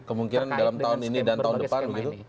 kemungkinan dalam tahun ini dan tahun depan begitu